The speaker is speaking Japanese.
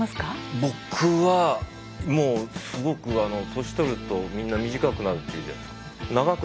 僕はもうすごく年取るとみんな短くなるっていうじゃないですか。